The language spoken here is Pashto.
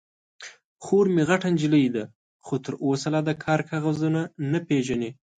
_خور مې غټه نجلۍ ده، خو تر اوسه لا د کار کاغذونه نه پېژني.